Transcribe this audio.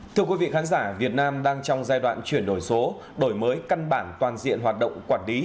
thưa quý vị khán giả việt nam đang trong giai đoạn chuyển đổi số đổi mới căn bản toàn diện hoạt động quản lý